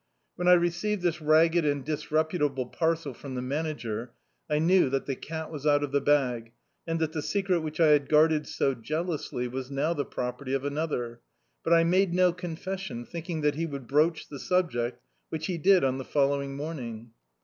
When I received this ragged and disreputable parcel from the Manager, I knew that the cat was out of the bag, and that the secret which I had guarded so jealously was now the property of another, but I made no om fession, thinking that he would broach the subject, which he did on the following morning.